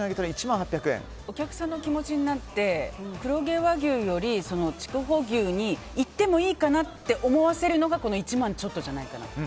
お客さんの気持ちになって黒毛和牛より筑穂牛にいってもいいかなって思わせるのがこの１万ちょっとじゃないかなと。